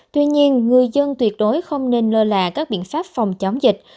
tuy nhiên người dân tuyệt đối không nên lơ là các biện pháp phòng chống dịch